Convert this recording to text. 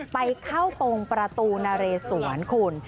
ไปเข้าตรงประตูนเรสวนคุณ